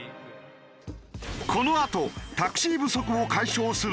このあとタクシー不足を解消する？